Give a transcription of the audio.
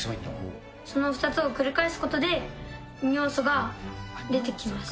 その２つを繰り返すことで、尿素が出てきます。